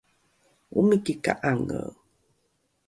omiki ka’ange